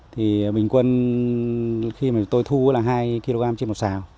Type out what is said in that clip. thì bình quân khi mà tôi thu là hai kg trên một xào